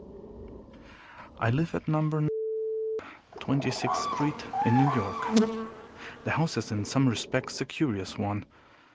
I live at No. Twenty sixth Street, in New York. The house is in some respects a curious one.